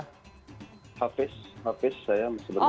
hafiz hafiz saya masih bergabung